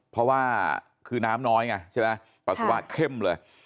เพราะว่าคือน้ำน้อยไงใช่ไหมปัสสาวะเข้มเลย